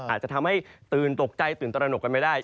อาจจะทำให้ตื่นตกใจตื่นตระหนกกันไม่ได้